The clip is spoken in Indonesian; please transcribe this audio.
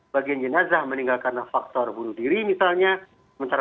bagian jenazah meninggal karena faktor bunuh diri misalnya